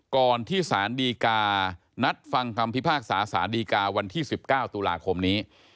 ก่อนที่สารดีการัดฟังคำพิพากษาสารดีกาวันที่๑๙ตุลาคมนี้